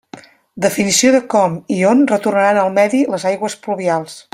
Definició de com i on retornaran al medi les aigües pluvials.